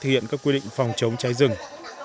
thực hiện các quy định phòng chống cháy rừng